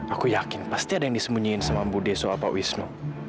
aku yakin pasti ada yang disembunyiin sama budi soal pak wisnu